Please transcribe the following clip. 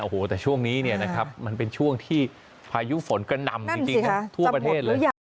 โอ้โหแต่ช่วงนี้เนี่ยนะครับมันเป็นช่วงที่พายุฝนกระนำจริงทั่วประเทศเลย